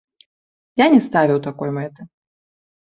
Я не ставіў такой мэты.